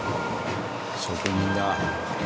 職人だ。